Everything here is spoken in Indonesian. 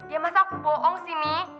ya masa aku bohong sih mi